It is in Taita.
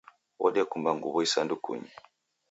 Wodekumba nguw'o isandukunyi.